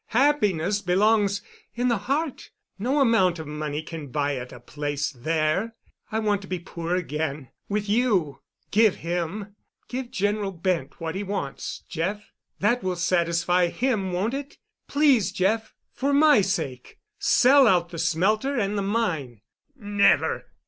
Happiness belongs in the heart—no amount of money can buy it a place there. I want to be poor again—with you. Give him—give General Bent what he wants, Jeff—that will satisfy him, won't it? Please, Jeff, for my sake! Sell out the smelter and the mine——" "Never!"